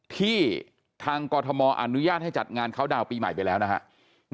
ที่ทางกรทมอนุญาตให้จัดงานเขาดาวน์ปีใหม่ไปแล้วนะครับ